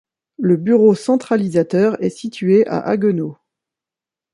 Le bureau centralisateur est situé à Haguenau.